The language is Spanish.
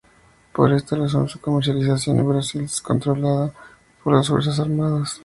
Por esta razón, su comercialización en Brasil es controlada por las fuerzas armadas.